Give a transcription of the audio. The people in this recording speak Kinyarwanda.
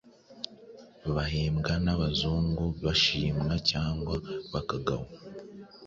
bahembwa n'Abazungu bashimwa cyangwa bakagawa,